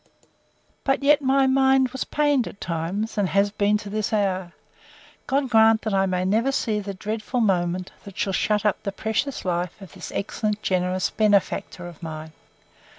But yet my mind was pained at times, and has been to this hour.—God grant that I may never see the dreadful moment, that shall shut up the precious life of this excellent, generous benefactor of mine!